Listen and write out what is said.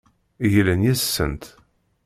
Glan yes-sent.